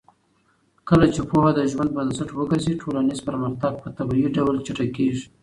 کله چې پوهه د ژوند بنسټ وګرځي، ټولنیز پرمختګ په طبیعي ډول چټکېږي.